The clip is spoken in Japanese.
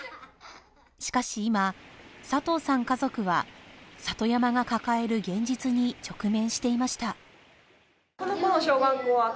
しかし今佐藤さん家族は里山が抱える現実に直面していました。